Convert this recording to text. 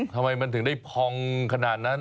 ทำไมมันถึงได้พองขนาดนั้น